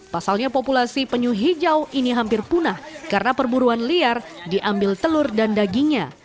pasalnya populasi penyu hijau ini hampir punah karena perburuan liar diambil telur dan dagingnya